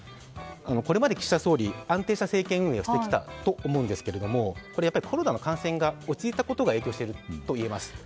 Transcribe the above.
これまで岸田総理安定した政権運営をしてきたと思うんですがコロナの感染が落ち着いたことが影響しているといえます。